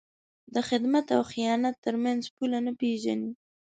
د خدمت او خیانت تر منځ پوله نه پېژني.